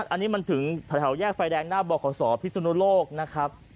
อันนี้มันถึงแถวแยกไฟแดงหน้าบขพิสุนุโลกนะครับ